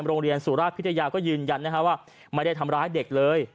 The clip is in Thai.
โรงเรียนสุรพิธญาก็ยืนยันว่าไม่ได้ทำร้ายเด็กเลย